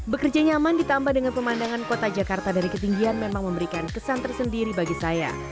bekerja nyaman ditambah dengan pemandangan kota jakarta dari ketinggian memang memberikan kesan tersendiri bagi saya